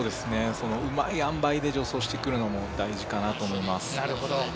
うまいあんばいで助走してくるのも大事かなと思います。